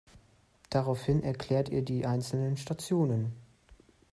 Daraufhin erklärt ihr die einzelnen Stationen.